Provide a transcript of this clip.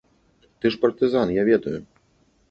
Ты ж партызан, я ведаю.